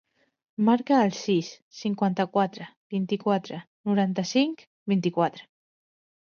Marca el sis, cinquanta-quatre, vint-i-quatre, noranta-cinc, vint-i-quatre.